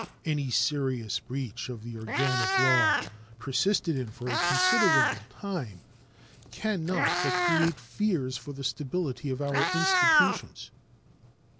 Any serious breach of the organic law, persisted in for a considerable time, can not but create fears for the stability of our institutions.